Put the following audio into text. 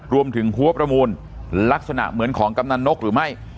รวมถึงหัวประมูลลักษณะเหมือนของกำนันนกหรือไม่